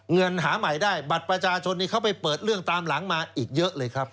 เงินหาใหม่ได้บัตรประชาชนนี้เขาไปเปิดเรื่องตามหลังมาอีกเยอะเลยครับ